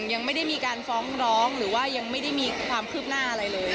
ยังไม่ได้มีการฟ้องร้องหรือว่ายังไม่ได้มีความคืบหน้าอะไรเลย